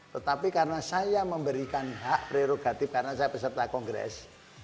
tetapi karena saya memberikan hak prerogatif karena saya peserta kongres